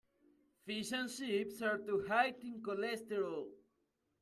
Fish and chips are too high in cholesterol.